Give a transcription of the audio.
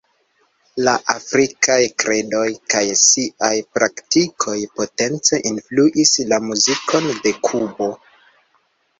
La afrikaj kredoj kaj siaj praktikoj potence influis la muzikon de Kubo.